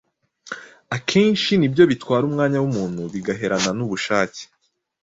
akenshi ni byo bitwara umwanya w’umuntu bigaherana n’ubushake.